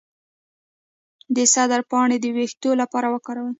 د سدر پاڼې د ویښتو لپاره وکاروئ